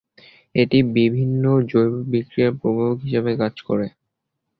এটি বিভিন্ন জৈব বিক্রিয়ায় প্রভাবক হিসেবে কাজ করে।